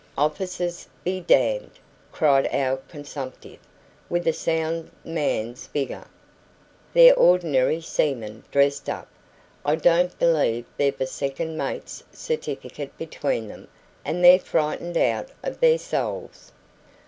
"Officers be damned!" cried our consumptive, with a sound man's vigor. "They're ordinary seamen dressed up; I don't believe they've a second mate's certificate between them, and they're frightened out of their souls."